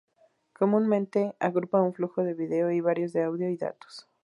Comúnmente, agrupa un flujo de video y varios de audio y datos.